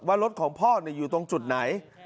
รถของพ่ออยู่ตรงจุดไหน